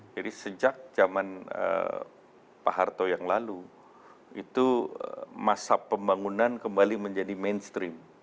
jadi sejak zaman pak hartarto yang lalu itu masa pembangunan kembali menjadi mainstream